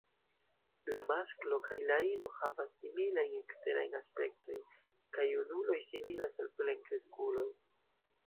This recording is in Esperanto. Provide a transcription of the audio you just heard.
La masklo kaj la ino havas similajn eksterajn aspektojn, kaj junuloj similas al plenkreskuloj.